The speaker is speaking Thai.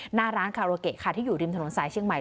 หน้าร้านคาโรเกะค่ะที่อยู่ริมถนนสายเชียงใหม่